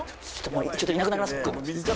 ちょっといなくなります僕。